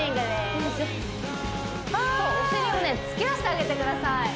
突き出してあげてください